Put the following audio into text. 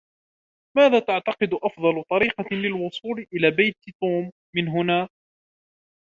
ماذا تعتقد أفضل طريقة للوصول إلى بيت توم من هنا؟